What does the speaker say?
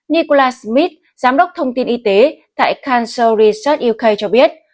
nicholas smith giám đốc thông tin y tế tại cancer research uk cho biết